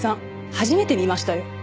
初めて見ましたよ。